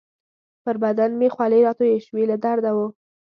پر بدن مې خولې راتویې شوې، له درده وو.